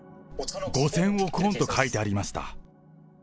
５０００億ウォンと書いてありました。